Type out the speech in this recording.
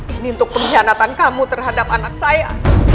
ini untuk pengkhianatan kamu terhadap anak saya